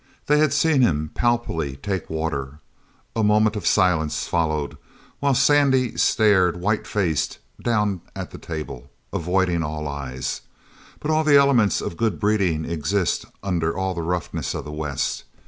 They had seen him palpably take water. A moment of silence followed, while Sandy stared whitefaced down at the table, avoiding all eyes; but all the elements of good breeding exist under all the roughness of the West.